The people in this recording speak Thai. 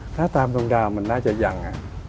ถ้าตามตรงดาวมันน่าจะยัง